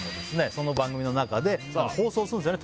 その番組の中で放送するんすよね